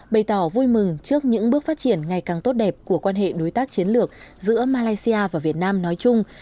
bày tỏ vui mừng trước những bước phát triển ngày càng tốt đẹp của quan hệ đối tác chiến lược giữa malaysia và việt nam nói chung